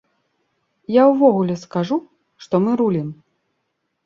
Я ўвогуле скажу, што мы рулім.